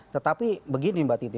tetapi begini mbak titi